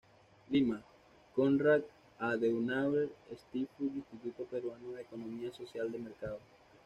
Lima: Konrad Adenauer Stiftung-Instituto Peruano de Economía Social de Mercado.